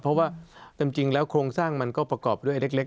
เพราะว่าจริงแล้วโครงสร้างมันก็ประกอบด้วยเล็ก